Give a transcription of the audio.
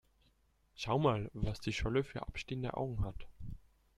Schau mal, was die Scholle für abstehende Augen hat!